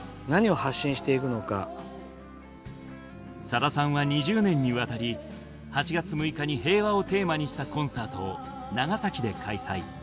さださんは２０年にわたり８月６日に平和をテーマにしたコンサートを長崎で開催。